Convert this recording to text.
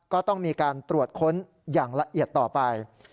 ก็ต้องมีการตรวจค้นอย่างละเอียดต่อไป